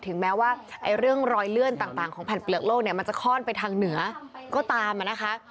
ถึงแม้ว่าเรื่องรอยเลื่อนต่างของแผ่นเปลือกโลกเนี่ยมันจะคล่อนไปทางเหนือก็ตามนะคะ